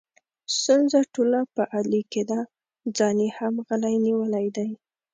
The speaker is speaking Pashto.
ستونزه ټوله په علي کې ده، ځان یې هم غلی نیولی دی.